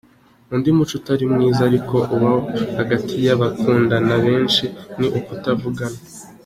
Undi muco utari mwiza ariko uba hagati y’abakundana benshi ni ukutavugana.